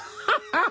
ハハハ！